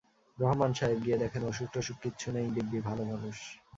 রহমান সাহেব গিয়ে দেখেন অসুখটসুখ কিচ্ছু নেই, দিব্যি ভালো মানুষ।